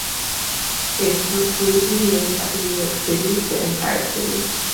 It was reputedly named after New York City, the "Empire City".